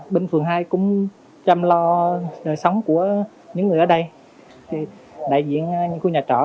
binh phường hai cũng chăm lo nơi sống của những người ở đây đại diện những nhà trọ